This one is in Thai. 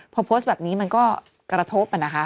พอโพสต์แบบนี้มันก็กระทบนะคะ